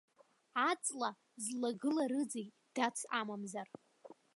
Аҵла злагыларызеи, дац амамзар?